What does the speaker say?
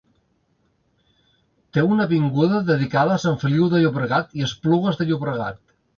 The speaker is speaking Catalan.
Té una avinguda dedicada a Sant Feliu de Llobregat i Esplugues de Llobregat.